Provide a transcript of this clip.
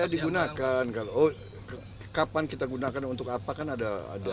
iya digunakan kapan kita gunakan dan untuk apa kan ada kan ya